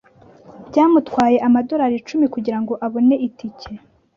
Byamutwaye amadorari icumi kugirango abone itike.